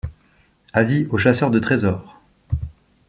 Avis aux chasseurs de trésor.